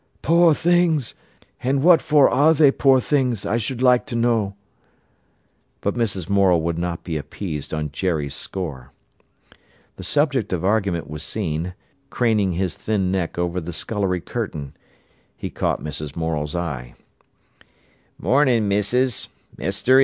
"Poor things! And what for are they poor things, I should like to know." But Mrs. Morel would not be appeased on Jerry's score. The subject of argument was seen, craning his thin neck over the scullery curtain. He caught Mrs. Morel's eye. "Mornin', missis!